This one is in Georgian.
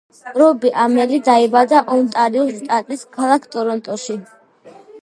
რობი ამელი დაიბადა ონტარიოს შტატის ქალაქ ტორონტოში.